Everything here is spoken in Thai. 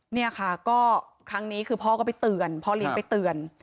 เนี่ยค่ะก็ครั้งนี้คือพ่อก็ไปเตือนพ่อเลี้ยงไปเตือน